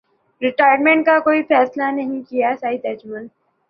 retire minute کا کوئی فیصلہ نہیں کیاسعید اجمل